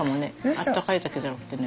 あったかいだけじゃなくてね。